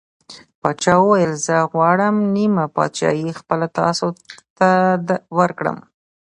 پاچا وویل: زه غواړم نیمه پادشاهي خپله تاسو ته ورکړم.